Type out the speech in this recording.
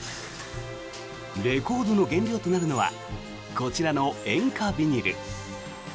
レコードの原料となるのはこちらの塩化ビニール。